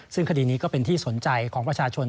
ซึ่งคดีนี้ก็เป็นที่สนใจของประชาชน